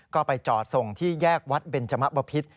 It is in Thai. ก็ไปจอดส่งที่แยกวัดเบนจมะบพิษ